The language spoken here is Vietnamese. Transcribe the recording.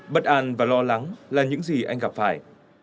bất an và lo lắng là những gì anh gặp phải